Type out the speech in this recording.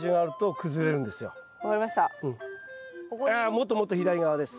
あもっともっと左側です。